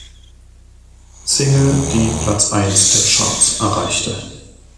Single, die Platz eins der Charts erreichte.